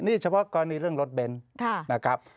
นี่เฉพาะกรณีเรื่องรถเบนท์นะครับ